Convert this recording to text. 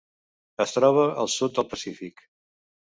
Es troba al sud del Pacífic.